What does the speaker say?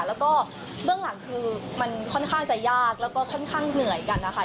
แล้วก็เบื้องหลังคือมันค่อนข้างจะยากแล้วก็ค่อนข้างเหนื่อยกันนะคะ